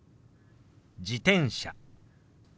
「自転車」。